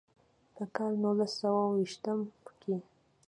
پۀ کال نولس سوه ويشتم کښې